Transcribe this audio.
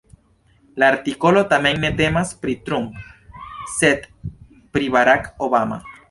La artikolo tamen ne temas pri Trump, sed pri Barack Obama.